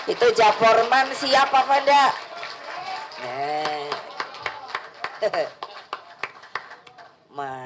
itu jafforman siapa pak dl